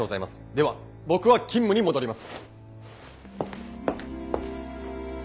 では僕は勤務に戻ります！